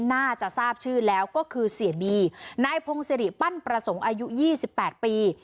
น่าจะทราบชื่อแล้วก็คือเสียบีนายพงศิริปั้นประสงค์อายุ๒๘ปี